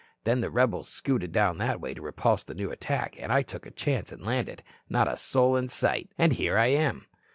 Then the rebels scooted down that way to repulse the new attack, and I took a chance and landed. Not a soul in sight. And here I am."